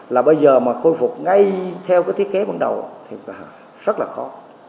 là bây giờ mà khôi phục ngay theo cái thiết kế ban đầu thì là rất là khó